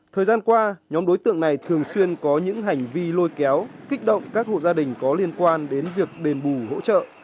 thời gian qua nhóm đối tượng này thường xuyên có những hành vi lôi kéo kích động các hộ gia đình có liên quan đến việc đền bù hỗ trợ